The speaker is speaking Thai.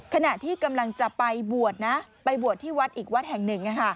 ขณะที่กำลังจะไปบวชที่วัดแห่งหนึ่ง